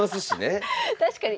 確かに。